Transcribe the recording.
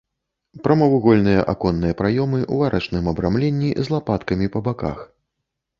Прамавугольныя аконныя праёмы ў арачным абрамленні з лапаткамі па баках.